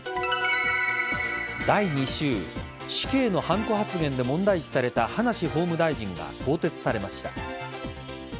第２週死刑のはんこ発言で問題視された葉梨法務大臣が更迭されました。